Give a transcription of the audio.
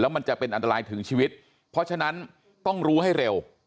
มันจะเป็นอันตรายถึงชีวิตเพราะฉะนั้นต้องรู้ให้เร็ว